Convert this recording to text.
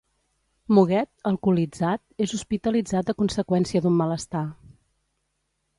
Muguet, alcoholitzat, és hospitalitzat a conseqüència d'un malestar.